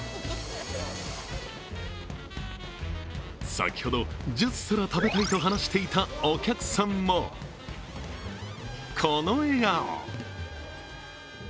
先ほど１０皿食べたいと話していたお客さんも、この笑顔。